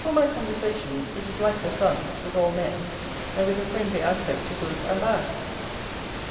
For my conversation, it is, like the sun's, with all men, and with a friendly aspect to good and bad.